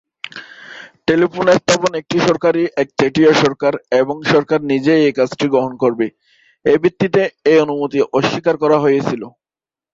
Telephone স্থাপন একটি সরকারী একচেটিয়া সরকার এবং সরকার নিজেই এই কাজটি গ্রহণ করবে এই ভিত্তিতে এই অনুমতি অস্বীকার করা হয়েছিল।